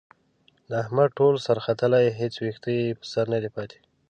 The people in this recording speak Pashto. د احمد ټول سر ختلی، هېڅ وېښته یې په سر ندی پاتې.